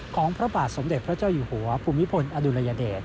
พระบาทสมเด็จพระเจ้าอยู่หัวภูมิพลอดุลยเดช